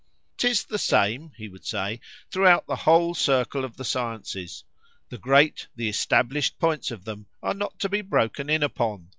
'Tis the same, he would say, throughout the whole circle of the sciences;—the great, the established points of them, are not to be broke in upon.